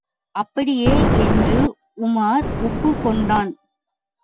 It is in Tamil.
அப்படியே! என்று உமார் ஒப்புக் கொண்டான்.